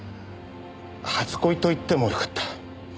初恋と言ってもよかった。